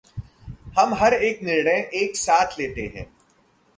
हम हर एक निर्णय एक साथ लेते हैं।